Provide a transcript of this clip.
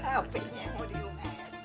apa ini yang mau di usg